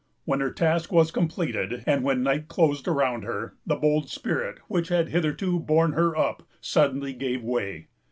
When her task was complete, and when night closed around her, the bold spirit which had hitherto borne her up suddenly gave way.